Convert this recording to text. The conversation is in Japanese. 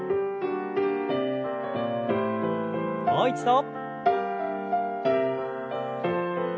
もう一度。